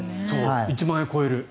１万円超える。